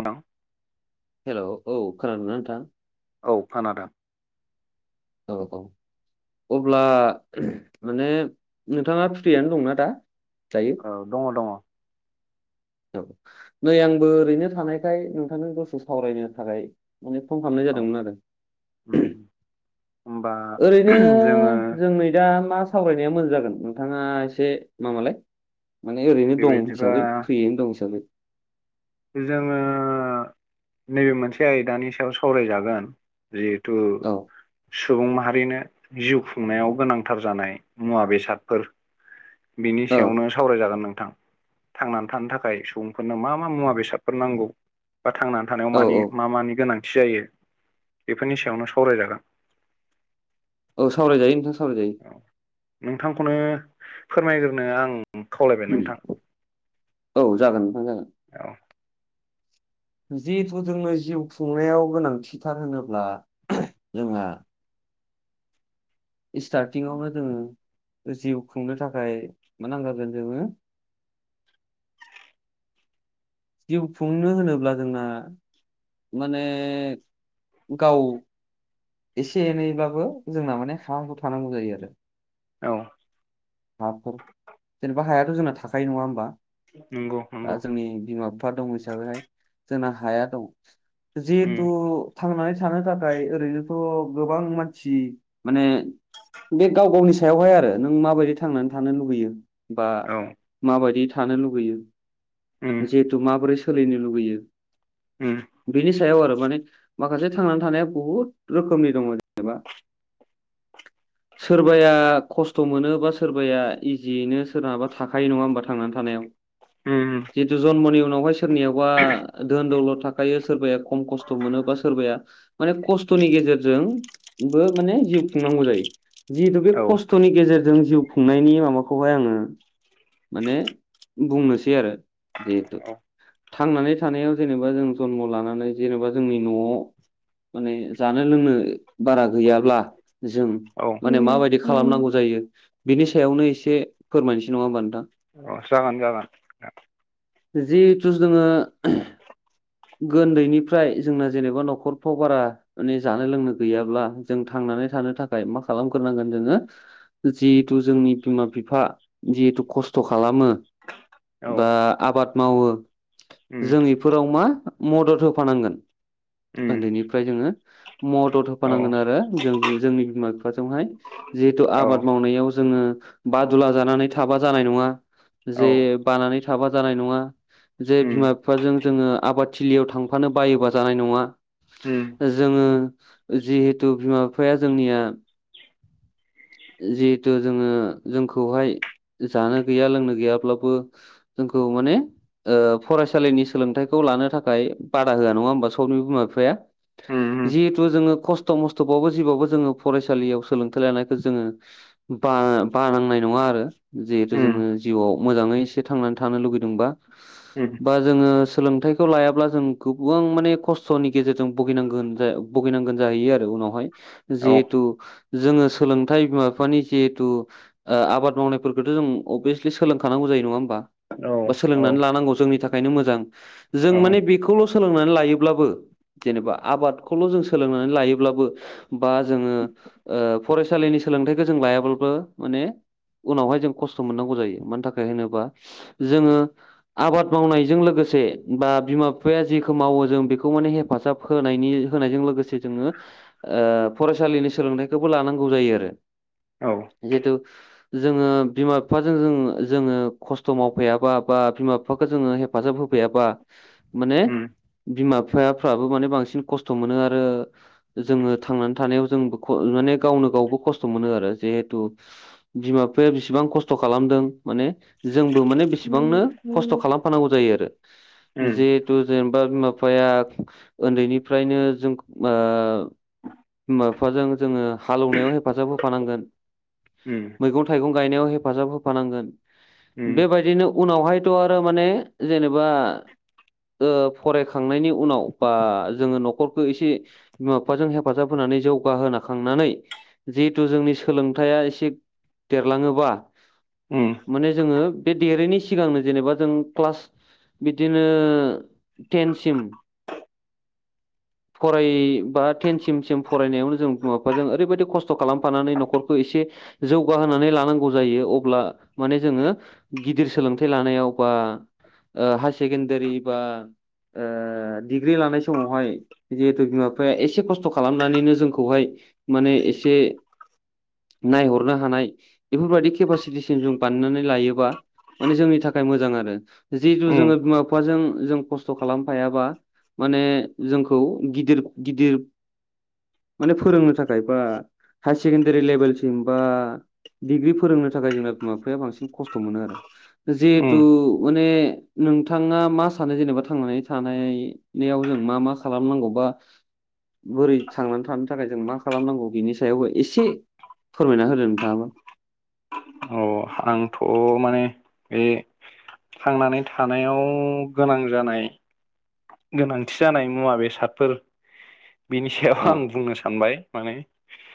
उनाव हेल' औ खोनादों ना नोंथां? औ खोनादों। औ औ। अब्ला ओम माने नोंथाङा फ्रियानो दंना दा? दायो ओ दङ दङ। औ नै आंबो ओरैनो थानायखाय नोंथांनि दसु सावरायनो थाखाय माने फन खालामनाय जादोंमोन आरो। उम होमबा ओरैनो जोङो जों नै दा मा सावरायनाया मोजां जागोन नोंथाङा एसे माबालाय। माने ओरैनो दं बेबायदिबा हिसाबै फ्रियैनो दं हिसाबै जोङो नैबे मोनसे आयदानि सायाव सावरायजागोन जि तु औ सुबुं माहारिनो जिउ खुंनायाव गोनांथार जानाय मुवा बेसादफोर बिनि औ सायावनो सावरायजागोन नोंथां थांनानै थानो थाखाय सुबुंफोरनो मा मा मुवा बेसाद बेसादफोर नांगौ बा थांनानै थानायाव औ मानि औ मा मानि गोनां थि जायो बेफोरनि सायावनो सावरायजागोन। औ सावरायजायो नोंथां सावरायजायो। नोंथांखौनो फोरमायग्रोनो आं खावलायबाय उम नोंथां औ जागोन नोंथां जागोन। औ जिहेथु जोंनो जिउ खुंनायाव गोनांथिथार होनोब्ला जोंहा इस्टार्टिंआवनो जोङो जिउ खुंनो थाखाय मा नांखागोन जोङो जिउ खुंनो होनोब्ला जोंन माने गाव एसे एनैब्लाबो जोंना माने हा हु थानांगौ जायो आरो औ हाफोर जेनेबा हायाथ' जोंना थाखायो नङा होमबा नंगौ दा नंगौ जोंनि बिमा बिफा दं हिसाबैहाय जोंना हाया दं जिहेतु उम थांनानै थानो थाखाय ओरैनोथ' गोबां मानसि माने बे गाव गावनि सायावहाय आरो नों माबायदि थांनानै थानो लुबैयो बा औ माबायदि थानो लुगैयो उम जिहेथु माबोरै सोलिनो लुुबैयो उम बेनि सायाव आरो माने माखासे थांनानै थानाया बहुद रोखोमनि दङ जेनेबा सोरबाया खस्थ' मोनोबा सोरबाया इजियैनो सोरनहाबा थाखायो नङा होमबा थांनानै थानायाव होम होम जितु जन्मनि उनावहाय सोरनियाबा धोन दौल' थाखायो सोरबाया खम खस्थ' मोनोबा सोरबाया माने खस्थ'नि गेजेरजोंबो माने जिउ खुंनांगौ जायो जिहेतु बे औ खस्थ' खस्थ'नि गेजेरजों जिउ खुंनायनि माबाखौहाय आङो माने बुंनोसै आरो जिहेथु औ थांनानै थानायाव जेनेबा जों जन्म लानानै जेनेबा जोंनि न'आव माने जानो लोंनो बारा गैयाब्ला जों औ माने माबायदि खालामनांगौ जायो बिनि सायावनो एसे फोरमायनोसै नङा होमबा नोंथां अ जागोन जागोन जिहेथु जोङो उन्दैनिफ्राय जोंना जेनेबा न'खरफ्राव बारा माने जानो लोंनो गैयाब्ला जों थांनानै थानो थाखाय मा खालामग्रोनांगोन जोङो जिहेतु जोंनि बिमा बिफा जिहेथु खस्थ' खालामो औ बा आबाद मावो उम जों इफोराव मा मदद होफानांगोन उम उन्दैनिफ्राय जोङो मदद औ होफानांगोन आरो जों जोंनि बिमा बिफाजोंहाय जिहेथु औ आबाद मावनायाव जोङो बादुला जानानै थाबा जानाय नङा औ जे बानानै थाबा जानाय नङा जे उम बिमा बिफाजों जोङो आबादथिलियाव थांफानो बायोबा जानाय नङा उम जोङो जिहेथु बिमा बिफाया जोंनिया जिहेथु जोङो जोंखौहाय जानो गैया लोंनो गैयाब्लाबो जोंखौ माने ओ फरायसालिनि सोलोंथाइखौ लानो थाखाय ताकात बादा होआ नङा होमबा सबनिबो बिमा बिफाया उम जिहेथु जोडो खस्थ' खस्थ' मस्थ'बावो जिबावबो जोङो फरायसालियाव सोलोंथाइ लानायखौ जोङो। ब ब नांनाय नङा आरो। जिहेथु उम जोङो जिउआव मोजाङै एसे थांनानै थानो लुगैदोंबा। ए। बा जोङो सोलोंथाइखौ लायाब। ब्ला जों गोबां माने खस्थ'नि गेजेरजों बुगिनांगोन भुगिनांगोन जाहैयो आरो उनावहाय। औ जिहेथु जोङो सोलोंथाइ बिमा बिफानि जिहेतु। आबाद मावनायफोरखौथ' जों अभियासलि सोलोंखानांगौ जायो नङा होमबा। औ बा औ सोलोंनानै लानांगौ जोंनि थाखायनो मोजां जों औ माने बेखौल' सोलोंनानै लायोब्लाबो। जेनेबा आबादखौल' जों सोलोंनानै लायोब्लाबो बा जोङो। फरायसालिनि सोलोंथाइखौ जों लायाब्लाबो माने। उनावहाय जों खस्थ' मोननांगौ जायो मानि थाखाय होनोबा। जोङो आबाद मावनायजों लोगोसे बा बिमा। बिफाया जिेखौ मावो जों बेखौ माने हेफाजाब होनायनि होनायजों लोगोसे जोङो। ओ फरायसालिनि सोलोंथाइखौबो लानांगौ जायो आरो। औ। जिहेथु जोङो बिमा बिफाजों जों जोङो खस्थ' मावफैायाबा बा बिमा। बिफाखौ जोङो हेफाजाब होफैयाबा माने। उम बिमा बिफाफ्राबो माने बांसिन खस्थ' मोनो आरो। जोङो थांनानै थानायाव जोंबो माने गावनो गावबो खस्थ' मोनो आरो जिेहेथु। बिमा बिफाया बिसेबां खस्थ' खालामदों माने। जोंबो माने बेसेबांनो खस्थ' खालामफानांगौ जायो आरो। उम जिहेथु जेनेबा बिमा बिफाया उन्दैनिफ्रायनो जों। बिमा बिफाजों जोङो हालेवनायाव हेफाजाब होफानांगोन। उम। मैगं थाइगं गायनायाव हेफाजाब होफानांगोन उम बेबायदिनो। उनावहायथ' आरो माने जेनेबा। फरायखांनायनि उनाव बा जोङो न'खरखौो एसे। बिमा बिफाजों हेफाजाब होनानै जौगाहोन खांनानै। जिहेथु जोंनि सोलोंथाइया एसे देरलाङोबा। माने जोङो बे देरैनायनि सिगांनो जेनेबा जों क्लास बिदिनो। ेनसिम। फराय बा टेनसिमसिम फरायनायावनो जों माबाजों ओरैबायदि खस्थ' खालामफानानै न'खरखौ एसे। जौगाहोनानै लानांगौ जायो अब्ला माने जोङो। गिदिर सोलोंथाइ लानायाव बा हायार सेकेणडारि बा। डिग्रि लानाय समावहाय। जिहेथु बिमा बिफाया एसे खस्थ' खालामनानैनो जोंखौहाय माने एसे। नायहरनो हानाय बेफोरबायदि केपासिटिसिम जों बानायनानै लायोबा। माने जोंनि थाखाय मोजां आरो जिहेथु उम जोङो बिमा बिफाजों जों खस्थ' खालामफायाबा। माने जोंखौ गिदिर गिदिर। माने फोरोंनो थाखाय बा हायार सेकेणडारि लेभेलसिम बा। डिग्रि फोरोंनो थाखाय जोंना बिमा बिफाया बांसिन खस्थ' मोनो आरो जिहेथु उम माने। नोंथाङा मा सानो जेनेबा थांनानै थानायाव जों मा मा खालामनांगौ बा। बोरै थांनानै थानो थाखाय जों मा खालामनांगौ बिनि सायावबो एसे। फोरमायना होदो नोंथाङामोन। औ आंथ' माने। बे थांनानै थानायाव गोनां जानाय। गोनांथि जानाय मुवा बेसादफोर। बिनि सायाव औ आं बुंनो सानबाय माने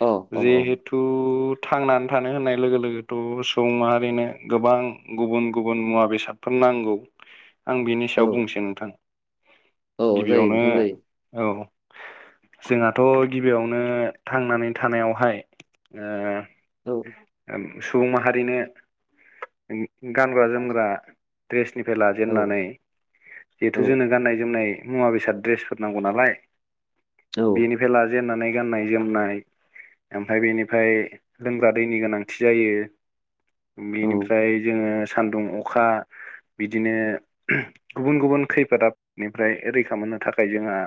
औ औ जे। थु थांनानै थानो होननाय लोगो लोगोथ' सुबुं माहारिनो गोबां। गुबुन गुबुन मुवा बेसाद। फोर नांगौ आं बिनि औ सायाव बुंसै नोंथां औ जायो गिबियावनो। नोंथां जायो औ। जोंहाथ' गिबियावनो थांनानै थानायावहाय। औ। सुबुं माहारिनो गानग्रा जोमग्रा। दड्रेसनिफ्राय औ लाजेननानै। जिहेथु औ जोंनो गाननाय जोमनाय मुवा बेसाद द्रेसफोर नांगौ नालाय। औ बेनिफ्राय लाजेेननानै गाननाय जोमनाय। ओमफ्राय बेनिफ्राय लोंग्रा दैनि गोनांथि जायो। औ बेनिफ्राय जोङो सानदुं अखा। बिदिनो गुबुन गुबुन खैफोदाआफोद निफ्राय रैखा मोननो थाखाय जोंहा।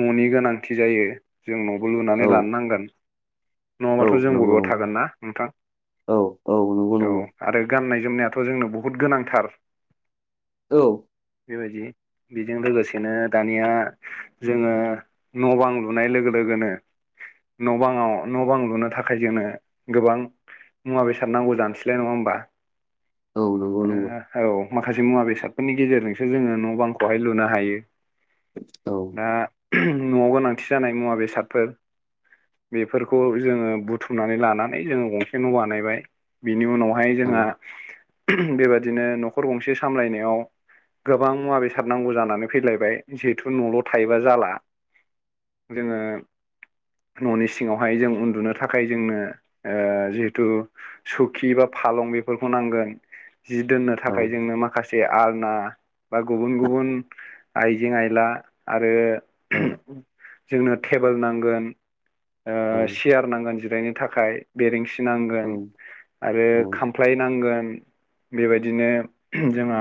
न'नि गोनांथि जायो जों न'बो औ लुनानै लानो नांगोन। औ नङाबाथ' जों नंगौ बबेबा नंगौ थागोन ना नोंथां। औ औ नंगौ औ नंगौ आरो गाननाय जोमनायाथ' जोंनो बहुद गोनांथार। औ। बेबायदि बेजों लोगोसेनो दानिया जोङो। न' बां लुनाय लोगो लोगोनो। न' बाङाव न' बां लुनो थाखाय जोङो गोबां। मुवा बेसाद नांगौ जानोसैलाय नङा होनबा। औ नंगौ नंगौ। औ माखासे मुवा बेसादफोरनि गेजेरजोंसो जोङो न' बांखौहाय लुनो हायो। औ दा न'आव गोनांथि जानाय मुवा बेसादफोर। बेफोरखौ जोङो बुथुमनानै लानानै जोङो गंसे न' बानायबाय। बिनि उनावहाय जोंहा औ बेबादिनो न'खर गंसे सामलायनायाव। गोबां मुवा बेसाद नांगौ जानानै फैलायबाय जिहेथु न'ल' थायोबा जाला। जोङो। न'नि सिङावहाय जों उन्दुनो थाखाय जोंनो जिहेथु। सुखि बा फालं बेफोरखौ नांगोन जि दोननो औ थाखाय जोंनो माखासे। से आलना बा गुबुन गुबुन आइजें आइला आरो। जोंनो टेबोल नांगोन। सियार नांगोन जिरायनो थाखाय बेरिेंसि नांगोन। आरो खामफ्लाय नांगोन। बेबायदिनो जोंहा।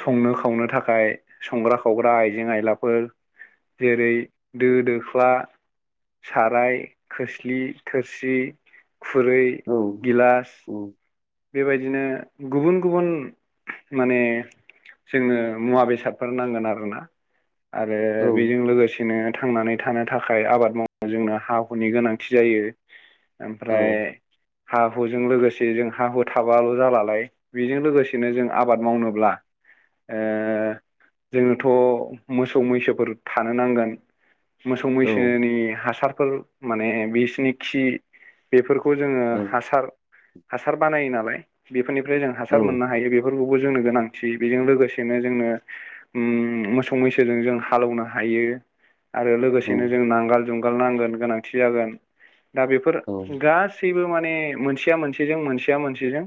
संनो खावनो थाखाय संग्रा खावग्रा आइजें आयलाफोर। जेरै दो दोख्ला। साराय खोस्लि थोरसि खुरै। औ। गिलास। बेबायदिनो गुबुन गुबुन माने। जोङो मुवा बेसादफोर नांगोन आरोना आरो बेजों लोगोसेनो। थांनानै थानो थाखाय आबाद मावनो जोंनो हा हुनि गोनांथि जायो। ओमफ्राय हा हुजों लोगोसे जों। हा हु थाबाल' जालालाय बेजों लोगोसेनो जों आबाद मावनोब्ला। जोनोथ' मोसौ मैसोफोर थानो नांगोन। मोसौ मैसोनि हासारफोर माने बिसिनि खि। बेफोरखौ जोङो हासार हासार बानायो नालाय बेफोरनिफ्राय जों हासार मोननो हायो बे। बेफोरखौबो जोंनो गोनांथि बेजों लोगोसेनो जोंनो। उ मोसौ मैसोजों जों हालौनो हायो। आरो लोगोसेनो जों नांगोल जुंगाल नांगोन गोनांथि जागोन। दा बेफोर गासैबो माने मोनसेया मोनसे जों मोनसेया मोनसेजों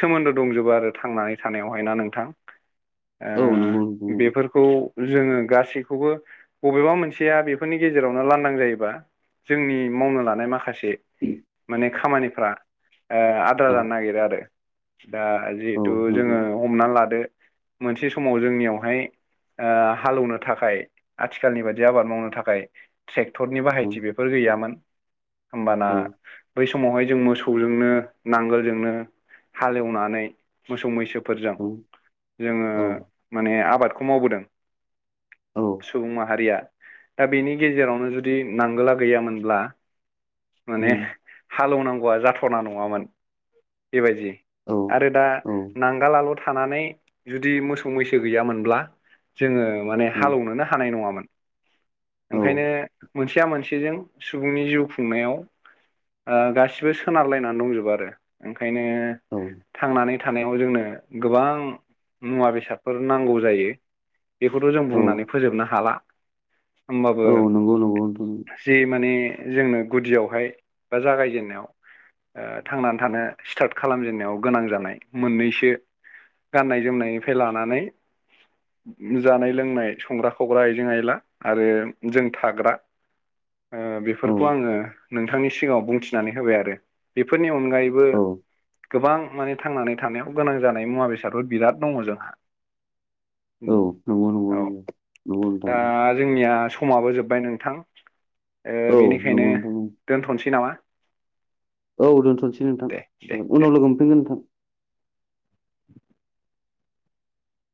सोमोन्दो दंजोबो आरो थांनानै थानायावहाय ना नोंथां आं बेफोर खौ जोङो गासैखौबो बबेबा मोनसेया बेफोरनि गेजेरावनो लान्दां जायोबा जोंनि मावनो लानाय माखासे माने खामानिफ्रा आद्रा जानो नागिरो आरो दा जिहेथु जोङो हमना लादो मोनसे समाव जोंनियावहाय हालौवनो थाखाय आथिखालनि बायदि आबाद मावनो थाखाय ट्रेक्टरनि बाहायथि बे फोर गैयामोन हबाना बै समावहाय जों मोसौजोंनो नांगोलजोंनो हालेवनानै मोसौ मैसोफोरजों जोङो माने आबादखौ मावबोदों सुबुं माहारिया दा बेनि गेजेरावनो जुदि नांगोला गैयामोनब्ला माने हालौनांगौआ जाथना नङामोन बेबायदि आरो दा नांगालाल थानानै जुदि मोसौ मैसो गैयामोनब्ला जोङो माने हालोवनोनो हानाय नङामोन ओंखायनो मोनसेया मोनसेजों सुबुंनि जिउ खुंनायाव आं गासिबो सोनारलायनानै दंजोबो आरो ओंखायनो थांनानै थानायाव जोंनो गोबां मुवा बेसादफोर नांगौ जायो बेखौथ‌ जों बुंनानै फोजोबनो हाला होमबाबो नंगौ नोंथां जि माने जोंनो गुदियावहाय बा जागायजेननायाव थांनानै थानो स्टार्ट खालामजेनन्नायाव गोनां जानाय मोननैसो गाननाय जोमनायनिफ्राय लानानै जानाय लोंनाय संग्रा खावग्रा आइजें आयला आरो जों थाग्रा ओ बेफोरखौ आङो नोंथांनि सिगाङाव बुंथिनानै होबाय आरो बेफोरनि अनगायैबो गोबां माने थांनानै थानायाव गोनां जानाय मुवा बेसादफोर बिराद दङ जोंहा औ दा जोंनिया समाबो जोब्बाय नोंथां ओ औ बेनिखायनो दोनथसै नामा? औ दोन्थनोसै नोंथां दे दे जागोन दे उनाव लोगो हफिनगोन नोंथां